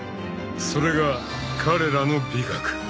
［それが彼らの美学］